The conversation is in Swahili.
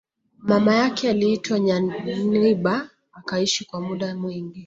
Mama yake aliitwa Nyanibah akaishi kwa muda mwingi